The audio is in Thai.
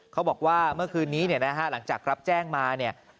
เขาบอกว่าเมื่อคืนนี้เนี่ยนะฮะหลังจากรับแจ้งมาเนี่ย